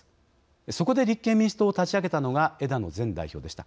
そこで立憲民主党を立ち上げたのが枝野前代表でした。